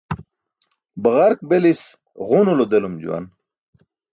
Baġark belis ġunulo delum juwan.